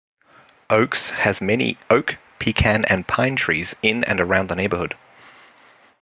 Oaks has many oak, pecan, and pine trees in and around the neighborhood.